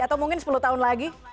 atau mungkin sepuluh tahun lagi